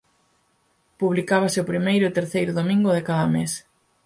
Publicábase o primeiro e terceiro domingo de cada mes.